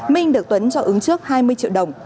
minh được tuấn cho ứng trước hai mươi triệu đồng